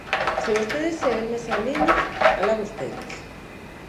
Se vostedes seguen nesa liña, alá vostedes.